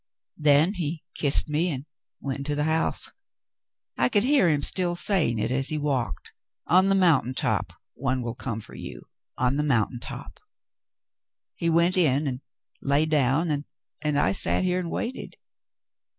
* Then he kissed me and went into the house. I could hear him still saying it as he walked, * On the mountain top one will come for you, on the mountain top.' He went in and lay down, and I sat here and waited.